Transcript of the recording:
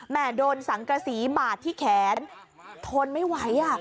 โดนสังกษีบาดที่แขนทนไม่ไหว